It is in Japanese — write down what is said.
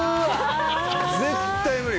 絶対無理！